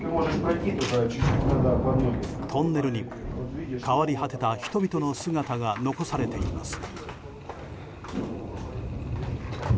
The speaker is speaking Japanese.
トンネルにも、変わり果てた人々の姿が残されています。